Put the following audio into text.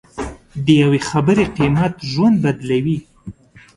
د یوې خبرې قیمت ژوند بدلوي.